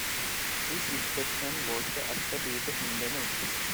His stepson was the actor Peter Sindermann.